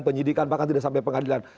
penyidikan bahkan tidak sampai pengadilan